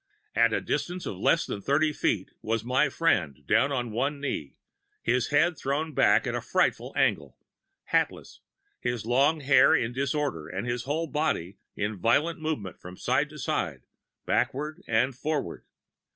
At a distance of less than thirty yards was my friend, down upon one knee, his head thrown back at a frightful angle, hatless, his long hair in disorder and his whole body in violent movement from side to side, backward and forward.